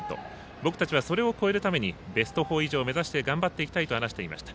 僕たちはそれを超えるためにベスト４以上を目指して頑張っていきたいと話していました。